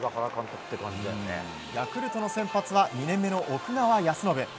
ヤクルトの先発は２年目の奥川恭伸。